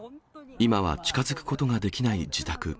今は近づくことができない自宅。